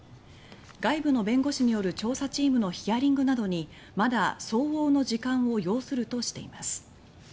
外部の弁護士による調査チームのヒアリングなどにまだ相応の時間を要するとしています。